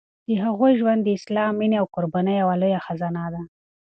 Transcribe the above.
د هغوی ژوند د اخلاص، مینې او قربانۍ یوه لویه خزانه ده.